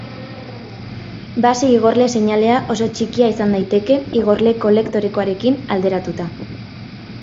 Base-igorle seinalea oso txikia izan daiteke igorle-kolektorekoarekin alderatuta.